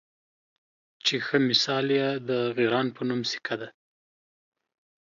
چې ښۀ مثال یې د غران پۀ نوم سیکه ده